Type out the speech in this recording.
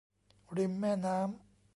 ริมแม่น้ำ